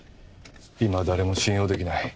今は誰も信用できない